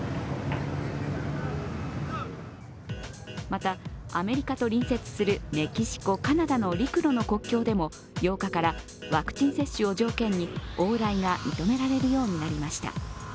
また、アメリカと隣接するメキシコ、カナダの陸路の国境でも８日からワクチン接種を条件に往来が認められるようになりました。